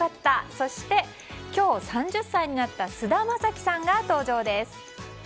そして、今日３０歳になった菅田将暉さんが登場です。